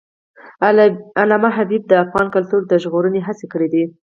علامه حبیبي د افغان کلتور د ژغورنې هڅې کړی دي.